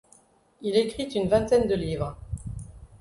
Il écrit une vingtaine de livres.